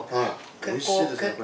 おいしいですねこれ。